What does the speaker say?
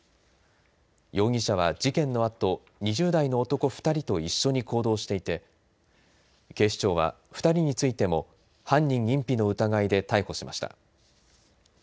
容疑者は事件のあと２０代の男２人と一緒に行動していて警視庁は２人についても犯人隠避の疑いで逮捕しました。